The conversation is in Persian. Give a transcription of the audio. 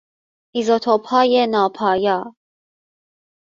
ایزوتوپهای ناپایا